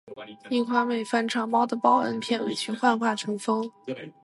樱花妹翻唱《猫的报恩》片尾曲《幻化成风》